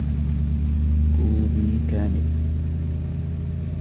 كوبي كامل.